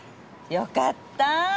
よかった！